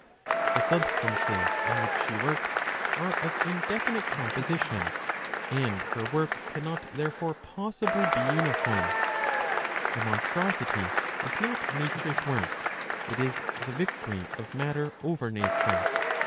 The substances in which she works are of indefinite composition, and her work cannot therefore possibly be uniform. The monstrosity is not Nature's work; it is the victory of matter over Nature.